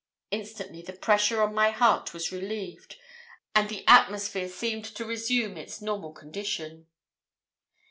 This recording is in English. Instantly the pressure on my heart was relieved, and the atmosphere seemed to resume its normal condition.